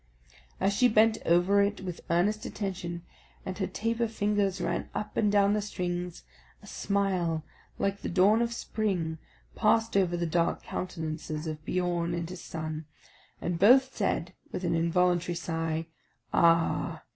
As she bent over it with earnest attention, and her taper fingers ran up and down the strings, a smile, like the dawn of spring, passed over the dark countenances of Biorn and his son; and both said, with an involuntary sigh, "Ah!